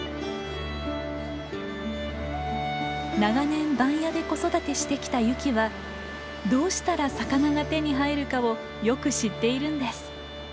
長年番屋で子育てしてきたユキはどうしたら魚が手に入るかをよく知っているんです。